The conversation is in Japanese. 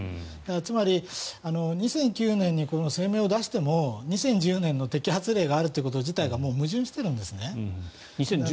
つまり２００９年に声明を出しても２０１０年の摘発例があること自体がもう矛盾してるんですね。